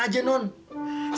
saya udah punya tunangan